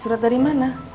surat dari mana